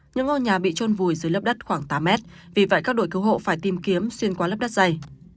những ngôi nhà bị trôn vùi dưới lớp đất khoảng tám mét vì vậy các đội cứu hộ phải tìm kiếm xuyên qua lớp đất dày